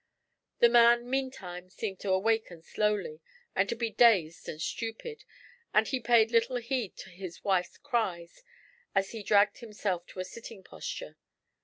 The man, meantime, seemed to awaken slowly, and to be dazed and stupid, and he paid little heed to his wife's cries as he dragged himself to a sitting posture.